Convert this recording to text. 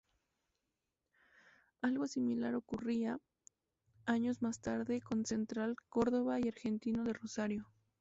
Algo similar ocurriría años más tarde con Central Córdoba y Argentino de Rosario.